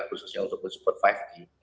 khususnya untuk mensupport lima g